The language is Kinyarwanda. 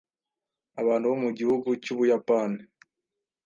abantu bo mu gihugu cy’u Buyapani